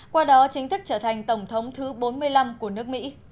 qua đó chính thức trở thành tổng thống thứ bốn mươi năm của nước mỹ